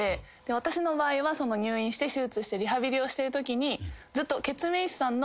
私の場合は入院して手術してリハビリをしてるときにずっと。